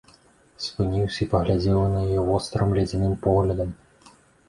Спыніўся і паглядзеў на яе вострым ледзяным поглядам.